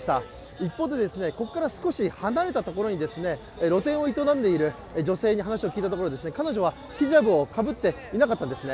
一方でここから少し離れたところに露店を営んでいる女性に話を聞いたところ彼女はヒジャブをかぶっていなかったんですね。